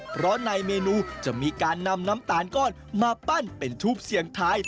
เพราะในเมนูจะมีการนำน้ำตาลก้อนมาปั้นเป็นทูปเสียงทาย